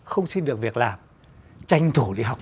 không xin được việc làm tranh thủ đi học